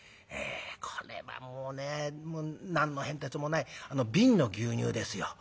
これはもうね何の変哲もない瓶の牛乳ですよ。